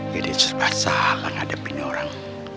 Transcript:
jadi serba sah akan ngadepin orang